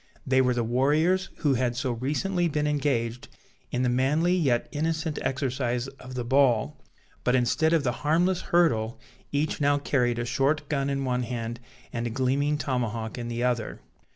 They were the warriors who had so recently been engaged in the manly yet innocent exercise of the ball; but, instead of the harmless hurdle, each now carried a short gun in one hand and a gleaming tomahawk in the other.